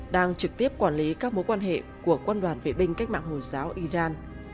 đang trực tiếp quản lý các mối quan hệ của quân đoàn vệ binh cách mạng hồi giáo iran